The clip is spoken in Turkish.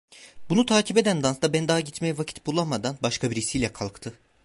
Bunu takip eden dansta ben daha gitmeye vakit bulamadan, başka birisiyle kalktı.